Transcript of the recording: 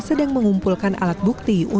satuan reserse kriminal poresta bandung mengatakan